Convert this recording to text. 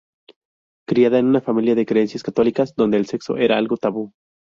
Criada en una familia de creencias católicas, donde el sexo era algo tabú.